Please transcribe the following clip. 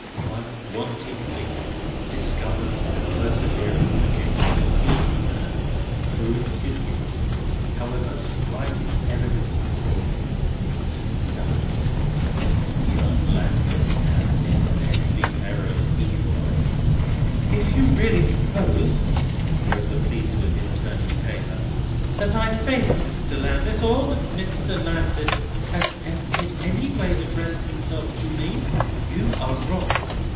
One wanting link discovered by perseverance against a guilty man, proves his guilt, however slight its evidence before, and he dies. Young Landless stands in deadly peril either way." "If you really suppose," Rosa pleads with him, turning paler, "that I favour Mr. Landless, or that Mr. Landless has ever in any way addressed himself to me, you are wrong."